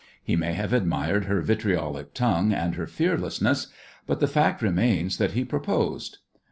He may have admired her vitriolic tongue and her fearlessness, but the fact remains that he proposed.